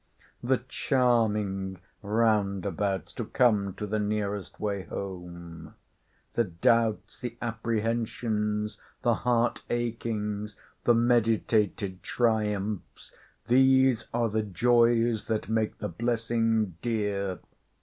—The charming round abouts, to come to the nearest way home;—the doubts; the apprehensions; the heart achings; the meditated triumphs—these are the joys that make the blessing dear.